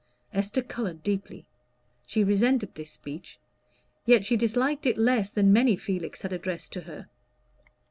Esther colored deeply: she resented this speech, yet she disliked it less than many Felix had addressed to her.